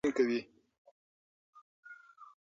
باسواده نجونې د ټپونو پانسمان کوي.